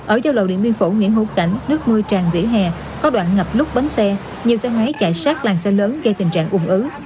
ở giao lầu điện biên phủ nguyễn hữu cảnh nước mưa tràn vỉa hè có đoạn ngập lúc bấm xe nhiều xe máy chạy sát làng xe lớn gây tình trạng ùn ứ